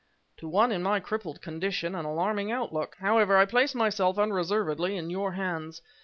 "To one in my crippled condition, an alarming outlook! However, I place myself unreservedly in your hands.